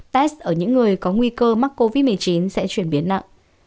test ở những người có nguy cơ mắc covid một mươi chín sẽ chuyển biến nặng